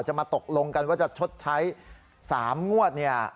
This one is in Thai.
มาตกลงกันว่าจะชดใช้๓งวดเนี่ย